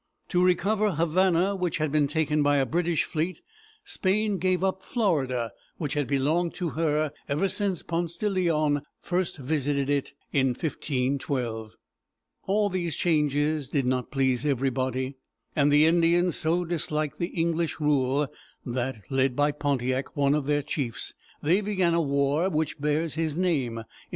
To recover Havana, which had been taken by a British fleet, Spain gave up Florida, which had belonged to her ever since Ponce de Leon first visited it in 1512. [Illustration: Wolfe's Monument in Westminster Abbey.] All these changes did not please everybody, and the Indians so disliked the English rule that, led by Pon´ti ac, one of their chiefs, they began a war which bears his name (1763).